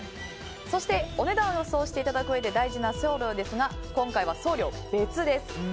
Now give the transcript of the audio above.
そして、お値段を予想していただくうえで大事な送料ですが今回は送料別です。